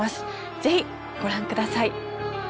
ぜひご覧ください。